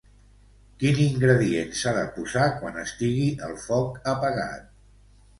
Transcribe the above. Quin ingredient s'ha de posar quan estigui el foc apagat?